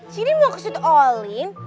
jadi maksudnya all in